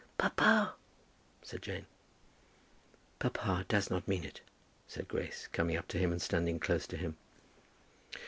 "Papa!" said Jane. "Papa does not mean it," said Grace, coming up to him and standing close to him.